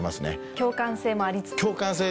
共感性もありつつ。